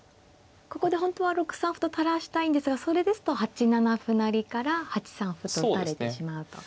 ここで本当は６三歩と垂らしたいんですがそれですと８七歩成から８三歩と打たれてしまうと。